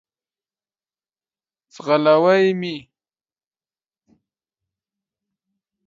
ځغلوی مي .